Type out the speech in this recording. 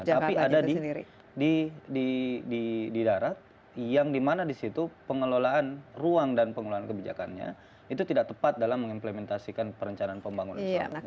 tapi ada di darat yang dimana disitu pengelolaan ruang dan pengelolaan kebijakannya itu tidak tepat dalam mengimplementasikan perencanaan pembangunan